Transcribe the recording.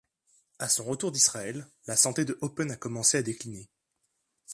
À son retour d'Israël, la santé de Oppen a commencé à décliner.